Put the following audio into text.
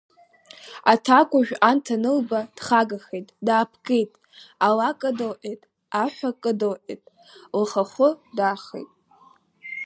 Аҭакәажә анҭ анылба, дхагахеит, даапкит, ала кыдылҟьеит, аҳәа кыдылҟьеит, лхахәы дахеит.